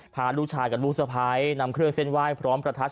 พาลูกชายกับลูกสะพ้ายนำเครื่องเส้นไหว้พร้อมประทัด